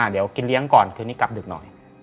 เดี๋ยวกินเลี้ยงก่อนคืนนี้กลับดึกหน่อย